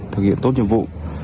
thực hiện tốt nhiệm vụ